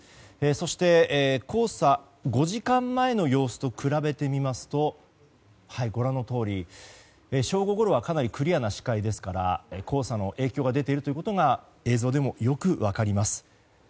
そして、５時間前の様子と比べてみますとご覧のとおり、正午ごろはかなりクリアな視界ですから黄砂の影響が出ていることが映像でもよく分かります。